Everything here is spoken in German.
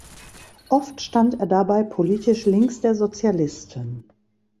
Oft stand er dabei politisch links der Sozialisten.